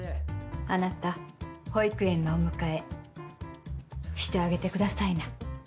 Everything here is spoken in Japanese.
あなた、保育園のお迎えしてあげてくださいな。